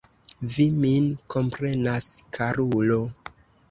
Vi min komprenas, karulo?